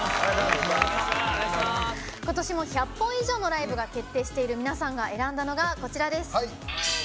今年も１００本以上のライブが決定している皆さんが選んだものです。